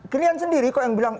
kalian sendiri kok yang bilang